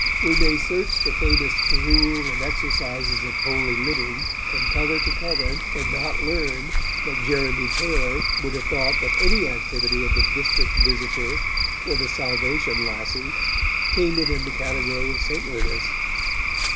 We may search the famous 'Rule and Exercises of Holy Living' from cover to cover, and not learn that Jeremy Taylor would have thought that any activity of the district visitor or the Salvation lassie came within the category of saintliness.